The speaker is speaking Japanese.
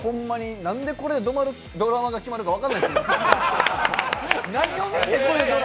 なんでこれでドラマが決まるか分からないんですよ。